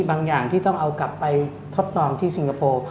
อย่างที่ต้องเอากลับไปทดลองที่สิงคโปร์